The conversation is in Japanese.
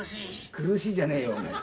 苦しいじゃねえよ。